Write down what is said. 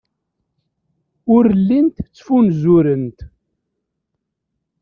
Ur llint ttfunzurent.